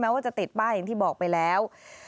ว่าจะติดป้ายอย่างที่บอกไปแล้ว